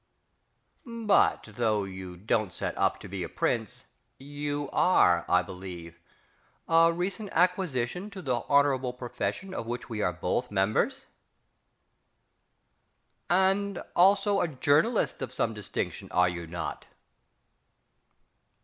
But, though you don't set up to be a Prince, you are, I believe, a recent acquisition to the honourable profession of which we are both members?... And also a journalist of some distinction, are you not?...